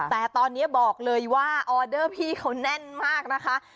แต่ตอนนี้บอกเลยว่าออเดอร์พี่เขาแน่นมากนะคะ